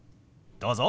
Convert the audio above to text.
どうぞ。